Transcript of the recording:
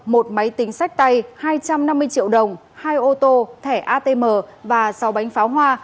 một máy tính sách tay hai trăm năm mươi triệu đồng hai ô tô thẻ atm và sáu bánh pháo hoa